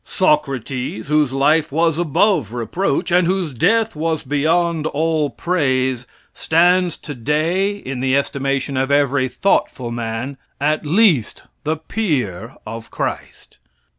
Socrates, whose life was above reproach, and whose death was beyond all praise, stands today, in the estimation of every thoughtful man, at least the peer of Christ.